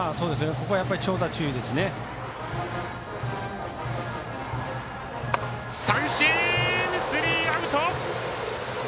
ここは長打注意ですね。